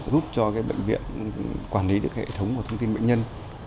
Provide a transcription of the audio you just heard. giúp cho bệnh viện quản lý được hệ thống của thông tin bệnh nhân